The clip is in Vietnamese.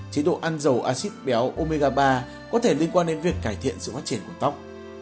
chế độ ăn dầu acid béo omega ba có thể liên quan đến việc cải thiện sự phát triển của tóc